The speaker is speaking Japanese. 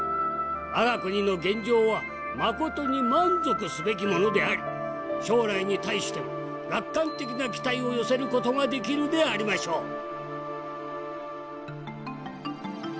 我が国の現状はまことに満足すべきものであり将来に対しても楽観的な期待を寄せる事ができるでありましょう」。